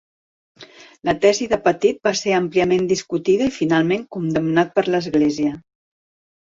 La tesi de Petit va ser àmpliament discutida i finalment condemnat per l'Església.